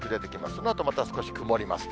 そのあとまた少し曇ります。